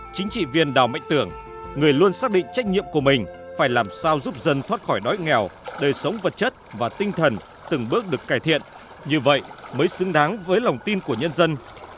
chính trị viên đào mạnh tưởng người luôn xác định trách nhiệm của mình phải làm sao giúp dân thoát khỏi đói nghèo đời sống vật chất và tinh thần từng bước được cải thiện như vậy mới xứng đáng với lòng tin của nhân dân